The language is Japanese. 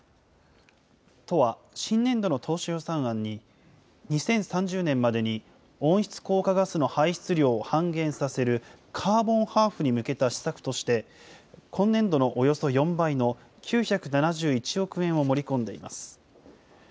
都は、新年度の当初予算案に、２０３０年までに、温室効果ガスの排出量を半減させるカーボンハーフに向けた施策として、今年度のおよそ４倍の９７１億円を盛り込んでいます。